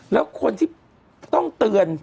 แล้วคนที่ต้องเตือน